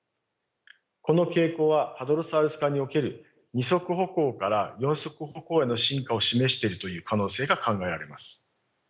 この傾向はハドロサウルス科における２足歩行から４足歩行への進化を示しているという可能性が考えられます。